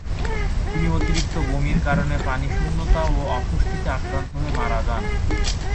তিনি অতিরিক্ত বমির কারণে পানিশূন্যতা ও অপুষ্টিতে আক্রান্ত হয়ে মারা যান।